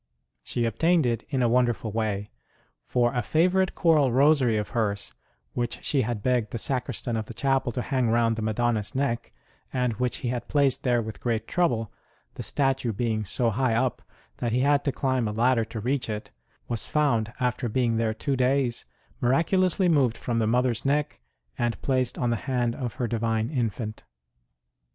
She obtained it in a wonderful way: for a favourite coral Rosary of hers, which she had begged the sacristan of the Chapel to hang round the Madonna s neck, and which he had placed there with great trouble, the statue being so high up that he had to climb a ladder to reach it, was found, after being there two days, miraculously moved from the Mother s neck and placed on the hand of her Divine Infant.